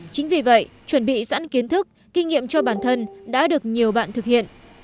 chính vì vậy chuẩn bị sẵn kiến thức kinh nghiệm cho bản thân đã được nhiều bạn thực hiện